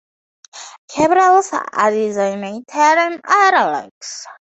Capitals are designated in "italics".